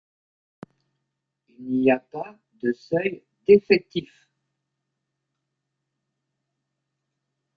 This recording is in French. Il n'y a pas de seuil d'effectif.